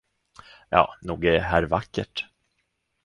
Ja, nog är här vackert.